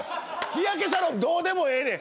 日焼けサロンどうでもええねん。